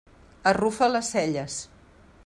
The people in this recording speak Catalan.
Arrufa les celles.